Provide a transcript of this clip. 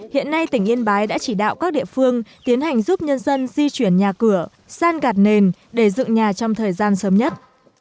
hiện nay tỉnh yên bái đã chỉ đạo các địa phương tiến hành giúp nhân dân di chuyển nhà cửa san gạt nền để dựng nhà trong thời gian sớm nhất